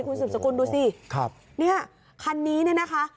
คุณสืบสกุลดูสิครับเนี่ยคันนี้เนี่ยนะคะ